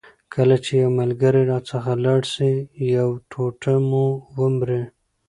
کله چي یو ملګری راڅخه لاړ سي یو ټوټه مو ومري.